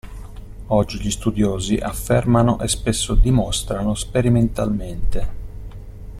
Oggi gli studiosi affermano e spesso dimostrano sperimentalmente.